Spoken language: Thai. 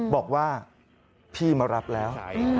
บอกว่าพี่มารับแล้ว